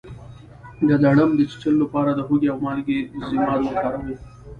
د لړم د چیچلو لپاره د هوږې او مالګې ضماد وکاروئ